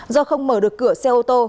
do không mở được cửa xe ô tô